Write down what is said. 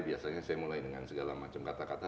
biasanya saya mulai dengan segala macam kata kata